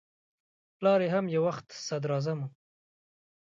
پلار یې هم یو وخت صدراعظم و.